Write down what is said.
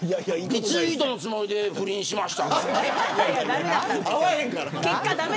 リツイートのつもりで不倫しましたとか。